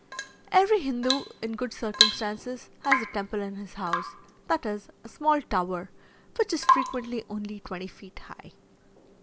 Every Hindoo in good circumstances has a temple in his house, i.e., a small tower, which is frequently only twenty feet high.